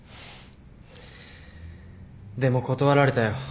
でも断られたよ。